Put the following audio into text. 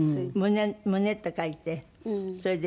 「胸」って書いてそれで。